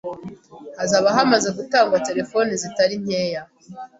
hazaba hamaze gutangwa telefoni zitari nkeya